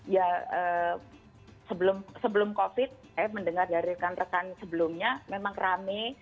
ya sebelum covid mendengar dari rekan rekan sebelumnya memang rame